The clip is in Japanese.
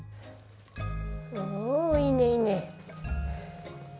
おいいねいいね。